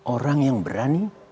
orang yang berani